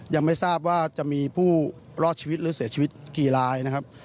ยังไม่ทราบว่าจะมีผู้รอดชีวิตหรือเสียชีวิตกี่ลายนะครับ